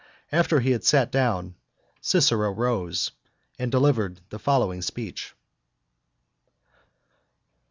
After he had sat down, Cicero rose, and delivered the following speech.